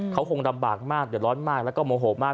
เขาคงลำบากมากเดือดร้อนมากแล้วก็โมโหมาก